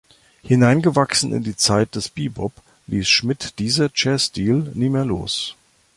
Hineingewachsen in die Zeit des Bebop, ließ Schmidt dieser Jazzstil nie mehr los.